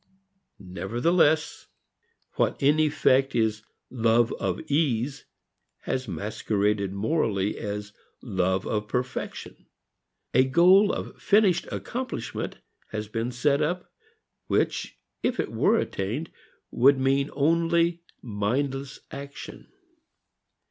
Nevertheless what in effect is love of ease has masqueraded morally as love of perfection. A goal of finished accomplishment has been set up which if it were attained would mean only mindless action.